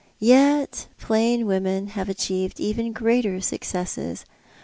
Y'et plain women have achieved even greater successes.